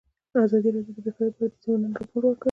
ازادي راډیو د بیکاري په اړه د سیمینارونو راپورونه ورکړي.